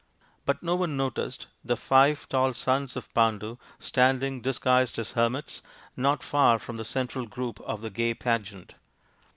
But no one noticed the five 8o THE INDIAN STORY BOOK tall soils, of Pandu standing, disguised as hermits, not far from the central group of the gay pageant.